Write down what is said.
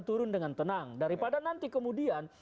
turun dengan tenang daripada nanti kemudian